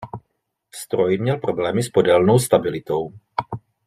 Stroj měl problémy s podélnou stabilitou.